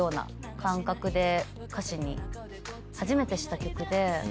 歌詞に初めてした曲で。